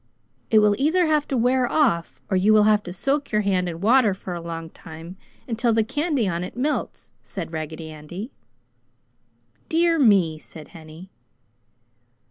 "It will either have to wear off, or you will have to soak your hand in water for a long time, until the candy on it melts!" said Raggedy Andy. "Dear me!" said Henny.